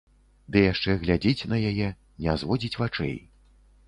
Ды яшчэ глядзіць на яе, не зводзіць вачэй.